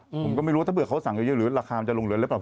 ผมก็ไม่รู้ว่าถ้าเบื่อเขาสั่งเยอะหรือราคามันจะลงเหลือหรือเปล่า